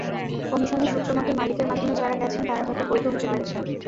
কমিশনের সূত্রমতে, মালিকের মাধ্যমে যাঁরা গেছেন, তাঁরা হয়তো বৈধ হতে পেরেছেন।